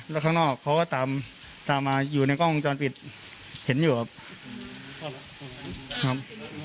แล้วข้างนอกเขาก็ตามตามมาอยู่ในกล้องวงจรปิดเห็นอยู่ครับ